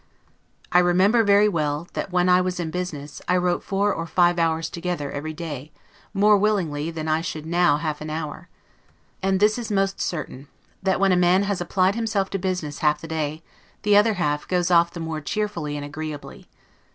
I remember very well, that when I was in business, I wrote four or five hours together every day, more willingly than I should now half an hour; and this is most certain, that when a man has applied himself to business half the day, the other half, goes off the more cheerfully and agreeably.